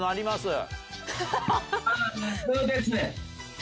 ああ、そうですね。